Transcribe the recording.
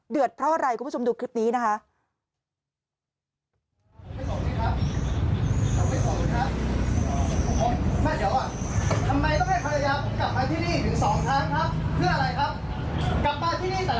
เพราะอะไรคุณผู้ชมดูคลิปนี้นะคะ